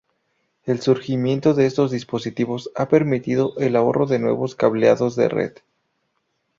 El surgimiento de estos dispositivos ha permitido el ahorro de nuevos cableados de red.